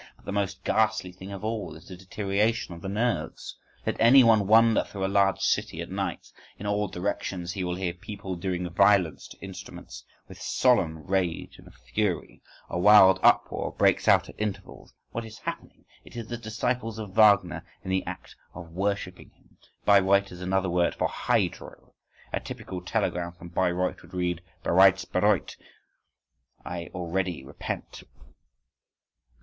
But the most ghastly thing of all is the deterioration of the nerves. Let any one wander through a large city at night, in all directions he will hear people doing violence to instruments with solemn rage and fury, a wild uproar breaks out at intervals. What is happening? It is the disciples of Wagner in the act of worshipping him.… Bayreuth is another word for a Hydro. A typical telegram from Bayreuth would read bereits bereut (I already repent).